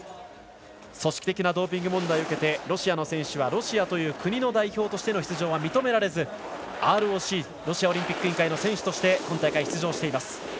組織的なドーピング問題を受けてロシアの選手はロシアという国の代表としての出場は認められずＲＯＣ＝ロシアオリンピック委員会の選手として今大会に出場しています。